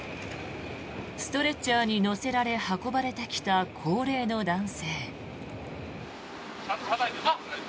ストレッチャーに乗せられ運ばれてきた高齢の男性。